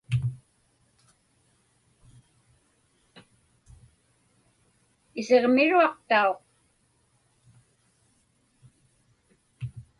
Isiġmiruaqtauq.